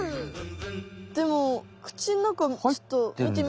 でも口ん中ちょっとみてみ？